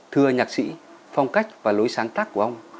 thưa nhạc sĩ phong cách và lối sáng tác của ông